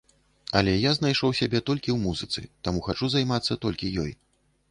Але я знайшоў сябе толькі ў музыцы, таму хачу займацца толькі ёй.